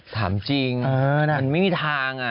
ถามจริงมันมิมีทางอะ